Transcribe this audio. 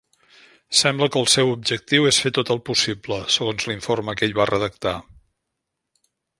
Sembla que el seu objectiu és fer tot el possible, segons l'informe que ell va redactar.